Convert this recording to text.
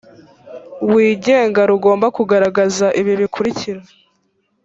wigenga rugomba kugaragaza ibi bikurikira